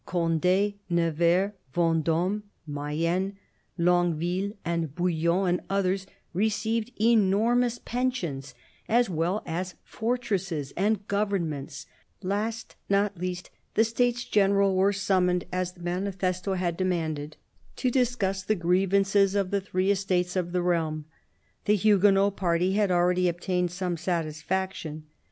Conde, Nevers, Vendome, Mayenne, Longueville, Bouillon and others received enormous pensions, as well as fortresses and governments ; last, not least, the States General were summoned, as the manifesto had demanded, to discuss the grievances of the three estates of the realm. The Huguenot party had already obtained some satisfaction.